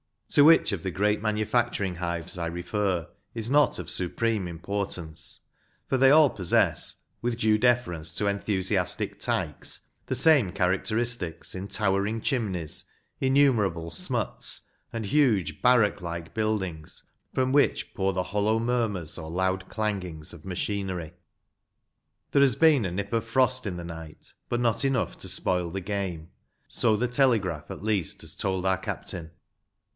To which of the great manufacturing hives I refer is not of supreme importance ; for they all possess, with due deference to enthusiastic "tykes," the same characteristics in towering chimneys, innumerable smuts, and huge barrack like buildings, from which pour the hollow mur murs or loud clangings of machinery. There has been a nip of frost in the night, but not enough to spoil the game ‚ÄĒ so the telegraph, at least, has told our captain.